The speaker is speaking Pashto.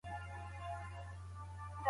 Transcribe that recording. د علم د مطالعاتو له لاري همکارۍ موجودي دي.